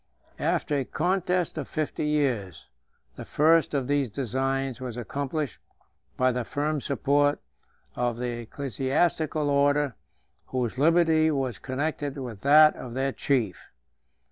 After a contest of fifty years, the first of these designs was accomplished by the firm support of the ecclesiastical order, whose liberty was connected with that of their chief.